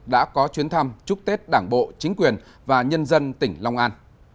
đã có chuyến thăm chúc tết đảng bộ chính quyền và nhân dân tỉnh long an